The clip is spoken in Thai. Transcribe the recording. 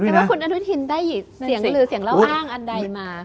ว่าคุณอนุทินได้เสียงลือเสียงเล่าอ้างอันใดมา